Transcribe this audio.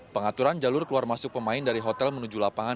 pengaturan jalur keluar masuk pemain dari hotel menuju lapangan